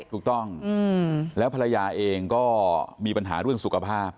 ถูกต้องแล้วภรรยาเองก็มีปัญหาเรื่องสุขภาพ